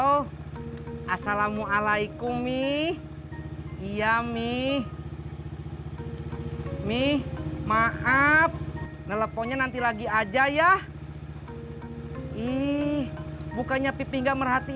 was ya pak taufan ananggi